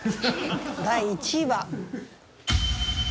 第１位は。